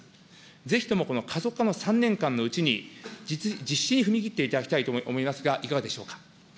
ぜひとも加速化の３年間のうちに、実施に踏み切っていただきたいと思いますが、いかがでしょうか。